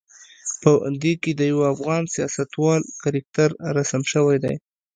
په دې کې د یوه افغان سیاستوال کرکتر رسم شوی دی.